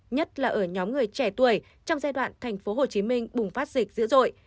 nhất là ở nhóm người trẻ tuổi trong giai đoạn tp hcm bùng phát dịch dữ dội